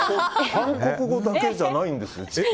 韓国語だけじゃないんですよね